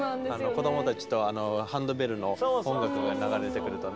子供たちとあのハンドベルの音楽が流れてくるとね。